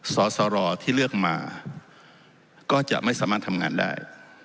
สอสรที่เลือกมาก็จะไม่สามารถทำงานได้